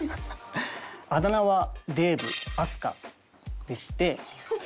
あだ名は「デーブ飛鳥」でして。